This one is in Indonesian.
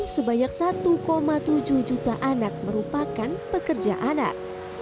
sebanyak satu tujuh juta anak merupakan pekerja anak